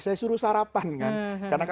saya suruh sarapan kan